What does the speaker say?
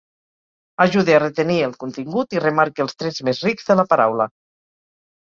Ajude a retenir el contingut i remarque els trets més rics de la paraula.